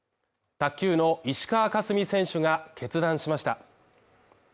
卓球の石川佳純選手が決断しました。